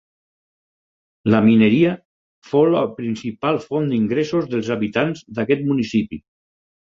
La mineria fou la principal font d'ingressos dels habitants d'aquest municipi.